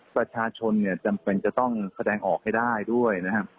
ประชาชนเนี่ยจำเป็นจะต้องแสดงออกให้ได้ด้วยนะครับ